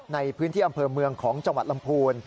ในพื้นที่อำเภอเมืองของจังหวัดลำพูน